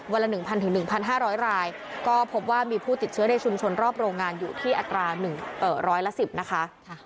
วันละหนึ่งพันถึงหนึ่งพันห้าร้อยรายก็พบว่ามีผู้ติดเชื้อในชุมชนรอบโรงงานอยู่ที่อัตราหนึ่งเอ่อร้อยละสิบนะคะ